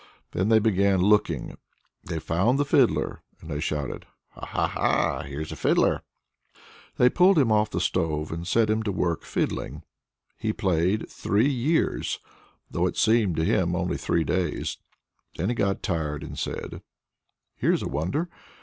Then they began looking, they found the Fiddler, and they shouted: "Ha, ha, ha! Here's a Fiddler." They pulled him off the stove, and set him to work fiddling. He played three years, though it seemed to him only three days. Then he got tired and said: "Here's a wonder!